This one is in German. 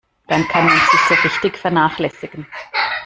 Dann kann man sich so richtig vernachlässigen.